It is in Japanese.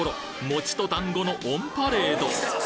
餅と団子のオンパレード！